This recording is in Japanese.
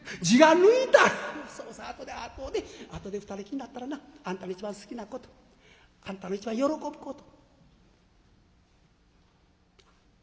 「うそうそあとであとであとで２人きりになったらなあんたの一番好きなことあんたの一番喜ぶこと」。